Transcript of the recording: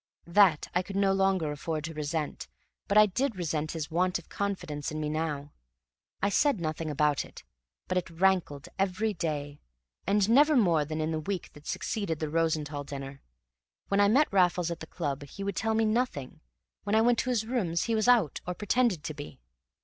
That I could no longer afford to resent, but I did resent his want of confidence in me now. I said nothing about it, but it rankled every day, and never more than in the week that succeeded the Rosenthall dinner. When I met Raffles at the club he would tell me nothing; when I went to his rooms he was out, or pretended to be.